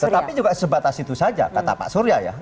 tetapi juga sebatas itu saja kata pak surya ya